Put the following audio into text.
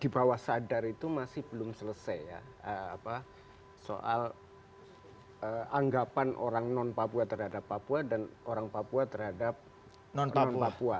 di bawah sadar itu masih belum selesai ya soal anggapan orang non papua terhadap papua dan orang papua terhadap orang papua